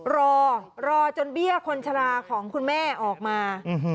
รอรอจนเบี้ยคนชะลาของคุณแม่ออกมา